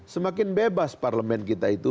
semakin bebas parlemen kita itu